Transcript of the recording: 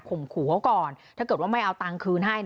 ขู่เขาก่อนถ้าเกิดว่าไม่เอาตังค์คืนให้